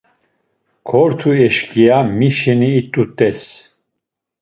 Kortu eşǩiya mi şeni it̆ut̆es?